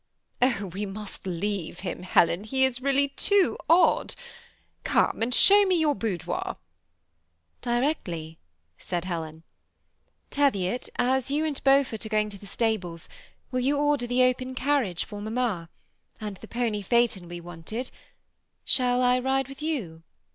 "Oh! we must leave him, Helen, he is really too odd. Come and show me your boudoir." " Directly," said Helen. * Teviot, as you and Beau* fort are going to the stables, will you order the open carriage for mamma? and the pony phaeton will be wanted. Shall I ride with you